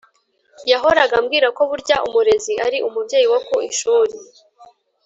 yahoraga ambwira ko burya umurezi ari umubyeyi wo ku ishuri,